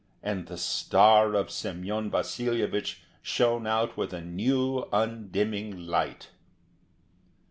And the star of Semyon Vasilyevich shone out with a new, undimming light.